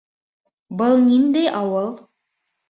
Был ниндәй ауыл?